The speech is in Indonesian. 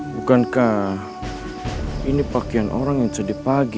bukankah ini pakaian orang yang tadi pagi